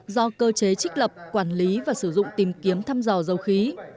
do cơ chế trích lập quản lý và sử dụng tìm kiếm thăm dò dầu khí